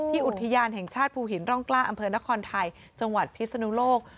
ที่อุทยานแห่งชาติภูหินร่องกล้าอนครไทยจพิศนุโลก